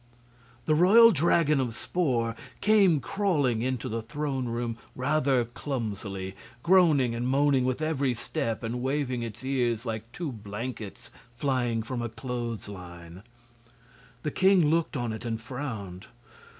The Royal Dragon of Spor came crawling into the throne room rather clumsily, groaning and moaning with every step and waving its ears like two blankets flying from a clothesline. The king looked on it and frowned.